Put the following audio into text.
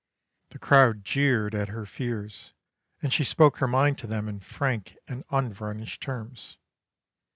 The crowd jeered at her fears, and she spoke her mind to them in frank and unvarnished terms.